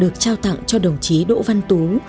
được trao tặng cho đồng chí đỗ văn tú